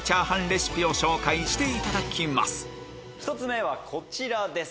１つ目はこちらです。